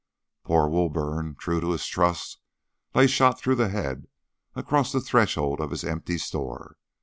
Poor Woburn, true to his trust, lay shot through the head across the threshold of his empty store.